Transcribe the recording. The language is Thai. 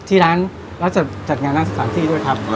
ที่ร้านรับจัดงานนอกสถานที่ด้วยครับ